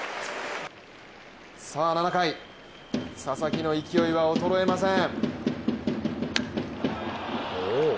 ７回、佐々木の勢いは衰えません。